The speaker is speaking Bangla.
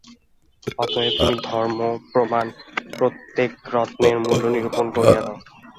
অতএব তুমি ধর্মপ্রমাণ প্রত্যেক রত্নের মূল্য নিরূপণ করিয়া দাও।